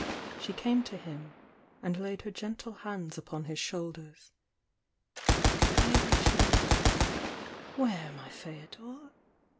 She came to him and laid her gentle hands upon his shoulders. "A way which leads— where, my Feodor?